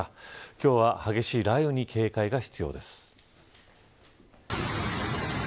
今日は激しい雷雨に警戒が必要です。